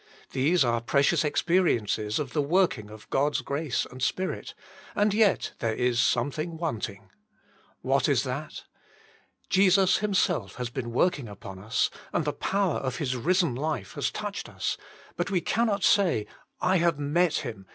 These are precious experiences of the working of God's grace and Spirit, and yet there is something wanting. What is that? Jesus Himself has been working upon us, and the power of his risen life has touched us, but we cannot say, I have met Him.